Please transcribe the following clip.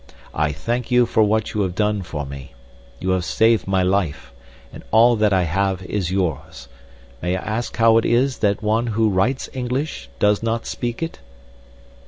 I thank you for what you have done for me. You have saved my life, and all that I have is yours. May I ask how it is that one who writes English does not speak it?